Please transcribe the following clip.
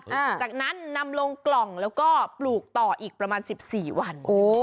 จากนั้นนำลงกล่องแล้วก็ปลูกต่ออีกประมาณ๑๔วัน